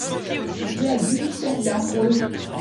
J'ai vu cinq d'entre eux.